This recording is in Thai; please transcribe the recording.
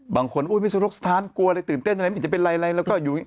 บางคนอุ้ยไม่สนุกสถานกลัวอะไรตื่นเต้นอะไรมันอีกจะเป็นไรแล้วก็อยู่